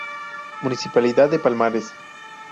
Municipalidad de Palmares